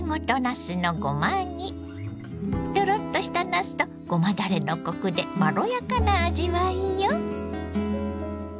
トロッとしたなすとごまだれのコクでまろやかな味わいよ。